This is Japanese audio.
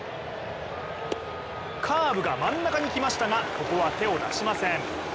カーブが真ん中に来ましたがここは手を出しません。